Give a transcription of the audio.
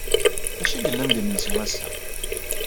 D acu ay yellan d imensi ass-a?